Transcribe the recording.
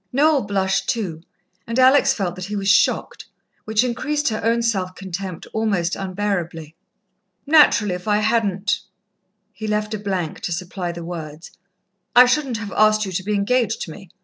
Noel blushed too and Alex felt that he was shocked, which increased her own self contempt almost unbearably. "Naturally, if I hadn't " he left a blank to supply the words, "I shouldn't have asked you to be engaged to me.